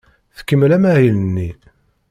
Tkemmel amahil-nni.